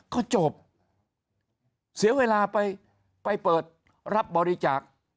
ก็จบเสียเวลาไปเปิดรับบริจาค